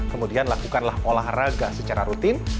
kemudian lakukanlah olahraga secara rutin